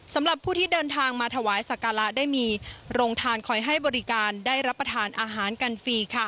สำหรับผู้ที่เดินทางมาถวายสักการะได้มีโรงทานคอยให้บริการได้รับประทานอาหารกันฟรี